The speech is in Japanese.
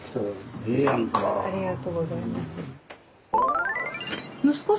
ありがとうございます。